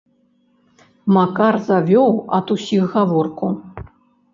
Макар завёў ад усіх гаворку.